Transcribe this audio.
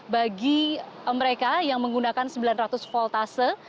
bagi mereka yang menggunakan sembilan ratus voltase